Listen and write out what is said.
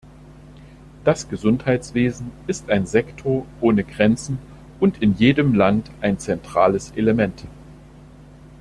Das Gesundheitswesen ist ein Sektor ohne Grenzen und in jedem Land ein zentrales Element.